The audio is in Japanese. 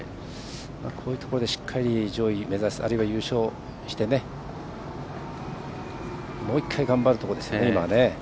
こういうところでしっかり上位を目指すあるいは優勝してねもう１回頑張るところですね。